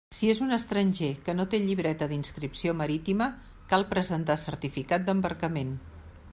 Si és un estranger que no té Llibreta d'inscripció marítima, cal presentar certificat d'embarcament.